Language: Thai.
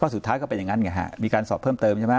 สุดท้ายก็เป็นอย่างนั้นไงฮะมีการสอบเพิ่มเติมใช่ไหม